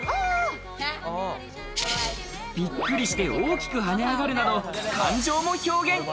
びっくりして大きく跳ね上がるなど、感情も表現。